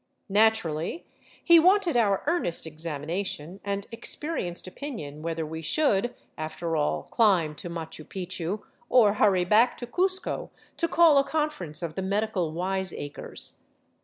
Naturally he wanted our ear nest examination and experienced opinion whether we should, after all, climb to Machu Picchu or hurry back to Cuzco to call a conference of the medical wiseacres.